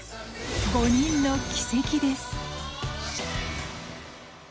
５人の軌跡です。